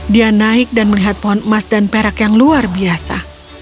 dia naik dan melihat pohon emas dan perak yang luar biasa